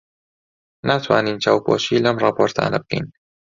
ناتوانین چاوپۆشی لەم ڕاپۆرتانە بکەین.